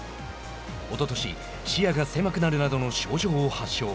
おととし、視野が狭くなるなどの症状を発症。